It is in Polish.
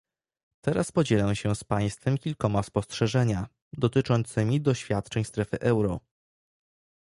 Teraz podzielę się z Państwem kilkoma spostrzeżenia dotyczącymi doświadczeń strefy euro